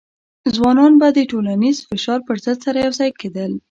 ځوانان به د ټولنیز فشار پر ضد سره یوځای کېدل.